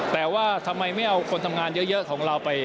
แต่ว่าทำไมไม่เอาคนทำงานเยอะของเราไป